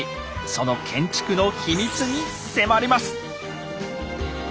その建築の秘密に迫ります！